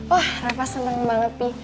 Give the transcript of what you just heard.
wah reva seneng banget pi